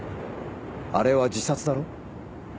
あれは自殺だろ？